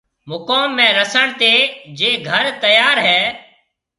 مڪوم ۾ رسڻ تيَ جي گھر تيار ھيََََ